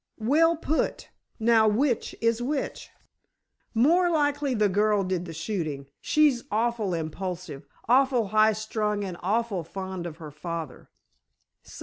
"Well put. Now, which is which?" "More likely the girl did the shooting. She's awful impulsive, awful high strung and awful fond of her father.